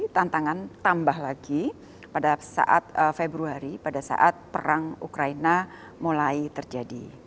tantangan tambah lagi pada saat februari pada saat perang ukraina mulai terjadi